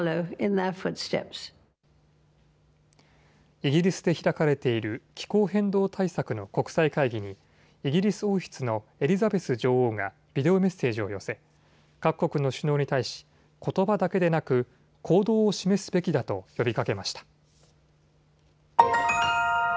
イギリスで開かれている気候変動対策の国際会議にイギリス王室のエリザベス女王がビデオメッセージを寄せ各国の首脳に対しことばだけでなく行動を示すべきだと呼びかけました。